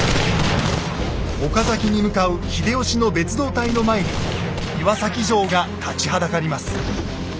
岡崎に向かう秀吉の別動隊の前に岩崎城が立ちはだかります。